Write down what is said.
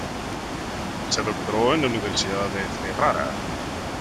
Se doctoró en la Universidad de Ferrara.